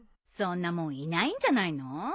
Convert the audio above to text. そんなもんいないんじゃないの？